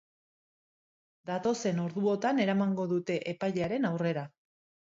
Datozen orduotan eramango dute epailearen aurrera.